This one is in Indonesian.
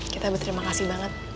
kita berterima kasih banget